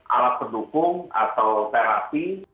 alat pendukung atau terapi